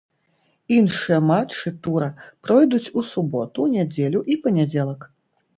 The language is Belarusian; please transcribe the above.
Іншыя матчы тура пройдуць у суботу, нядзелю і панядзелак.